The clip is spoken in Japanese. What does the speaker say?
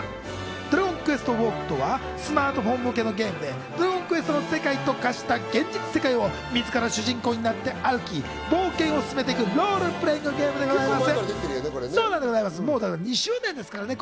『ドラゴンクエストウォーク』とはスマートフォン向けのゲームで『ドラゴンクエスト』の世界と化した現実世界をみずから主人公になって歩き、冒険を進めていくロールプレイングゲームでございます。